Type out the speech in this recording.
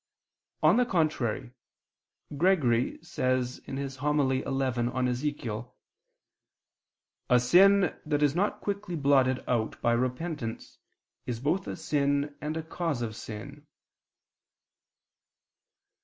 On the contrary, Gregory says on Ezechiel (Hom. xi): "A sin that is not quickly blotted out by repentance, is both a sin and a cause of sin."